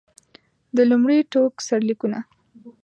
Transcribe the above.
د لومړي ټوک سرلیکونه.